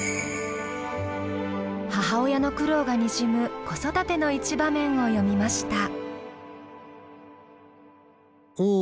母親の苦労がにじむ「子育て」の一場面を詠みました。